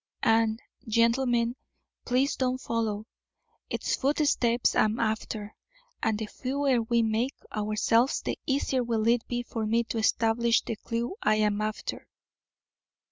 "And, gentlemen, please don't follow. It's footsteps I am after, and the fewer we make ourselves, the easier will it be for me to establish the clew I am after."